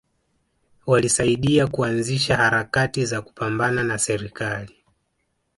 Walisaidia kuanzisha harakati za kupambana na serikali